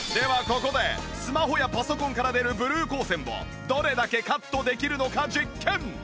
ここでスマホやパソコンから出るブルー光線をどれだけカットできるのか実験